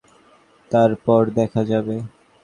তারপর দেখা যাবে।